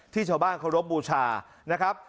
ที่ชาวบ้านโคลบบูชานะครับ